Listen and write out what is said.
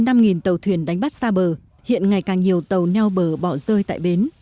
trên tàu thuyền đánh bắt xa bờ hiện ngày càng nhiều tàu neo bờ bỏ rơi tại bến